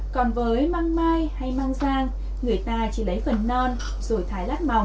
còn với măng mai hay mang giang người ta chỉ lấy phần non rồi thái lát mỏng